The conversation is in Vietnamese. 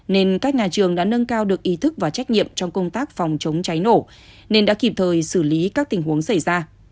nên các nhà trường đã nâng cao được ý thức và trách nhiệm trong công tác phòng chống cháy nổ nên đã kịp thời xử lý các tình huống xảy ra